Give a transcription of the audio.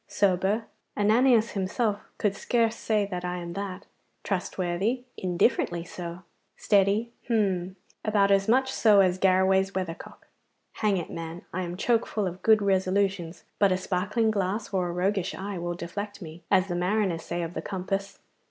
Sober Ananias himself could scarce say that I am that. Trustworthy indifferently so. Steady hum! about as much so as Garraway's weathercock. Hang it, man, I am choke full of good resolutions, but a sparkling glass or a roguish eye will deflect me, as the mariners say of the compass.